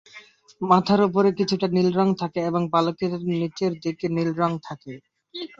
মাথার উপরে কিছুটা নীল রং থাকে এবং পালকের নিচের দিকে নীল রং থাকে।